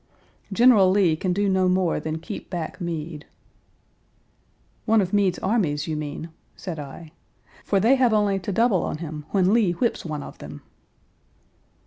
General Lee can do no more than keep back Meade. "One of Meade's armies, you mean," said I, "for they have only to double on him when Lee whips one of them."